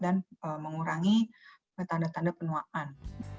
dan mengurangi tanda tanda penuaan